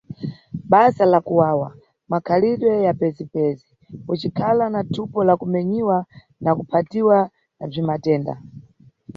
Basa la kuwawa, makhalidwe ya pezipezi, ucikhala na thupo la kumenyiwa na kuphatiwa na bzwimatenda.